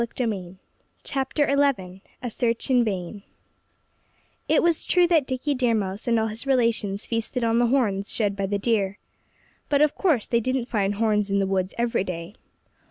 XI A SEARCH IN VAIN It was true that Dickie Deer Mouse and all his relations feasted on the horns shed by the deer. But of course they didn't find horns in the woods every day.